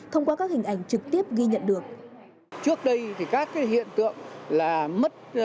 thông qua các hình ảnh trực tiếp ghi nhận được